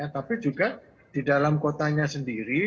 tapi juga di dalam kotanya sendiri